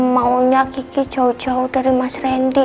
maunya kiki jauh jauh dari mas randy